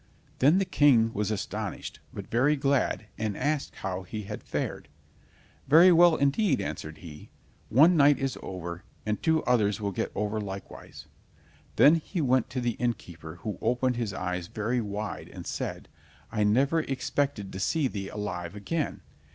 Then the King was astonished, but very glad, and asked how he had fared. "Very well indeed," answered he; "one night is over, the two others will get over likewise." Then he went to the innkeeper, who opened his eyes very wide, and said: "I never expected to see thee alive again!